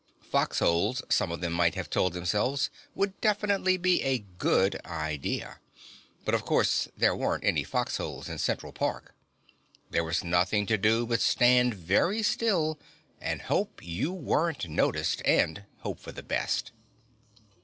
Foxholes, some of them might have told themselves, would definitely be a good idea. But, of course, there weren't any foxholes in Central Park. There was nothing to do but stand very still, and hope you weren't noticed, and hope for the best.